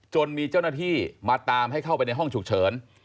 จนมีเจ้าหน้าที่มาตามให้เข้าไปในห้องฉุกเฉิน